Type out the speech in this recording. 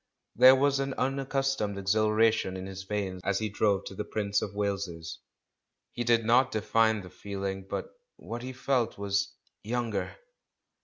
There was an unaccustomed exhilaration in his veins as he drove to the Prince of Wales's; he did not define the feehng, but what he felt was "younger."